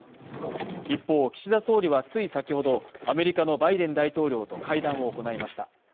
一方、岸田総理はつい先ほど、アメリカのバイデン大統領と会談を行いました。